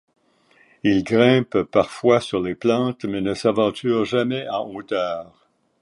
Ils grimpent parfois sur les plantes mais ne s'aventurent jamais en hauteur.